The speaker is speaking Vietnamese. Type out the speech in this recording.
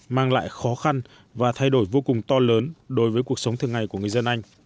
mang lại khó khăn và thay đổi vô cùng to lớn đối với cuộc sống thường ngày của người dân anh